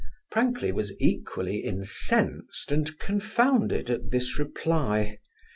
Prankley was equally incensed and confounded at this reply.